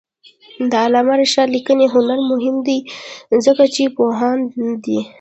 د علامه رشاد لیکنی هنر مهم دی ځکه چې پوهاند دی.